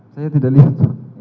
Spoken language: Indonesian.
saya tidak lihat